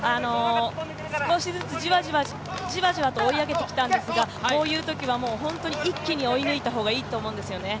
少しずつじわじわと追い上げてきたんですが、こういうときは一気に追い抜いた方がいいと思うんですよね。